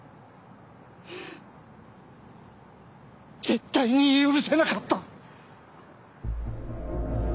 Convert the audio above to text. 絶対に許せなかった！